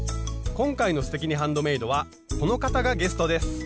今回の「すてきにハンドメイド」はこの方がゲストです。